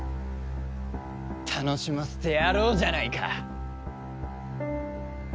楽しませてやろうじゃないか！